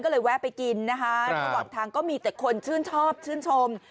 ก็เลยแวะไปกินนะคะระหว่างทางก็มีแต่คนชื่นชอบชื่นชม